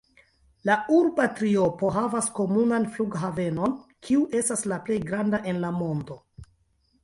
La urba triopo havas komunan flughavenon, kiu estas la plej granda en la mondo.